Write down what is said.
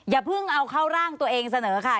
อย่าเพิ่งเอาเข้าร่างตัวเองเสนอค่ะ